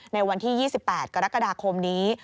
ในวันที่๒๘กรกฎาคมนี้